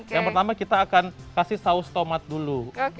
yang pertama kita akan kasih saus tomat dulu